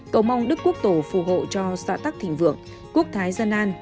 cầu mong đức quốc tổ phù hộ cho xã tắc thịnh vượng quốc thái dân an